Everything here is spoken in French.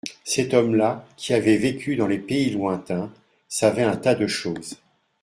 Cet homme-là, qui avait vécu dans les pays lointains, savait un tas de choses.